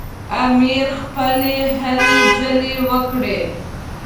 امیر خپلې هلې ځلې وکړې.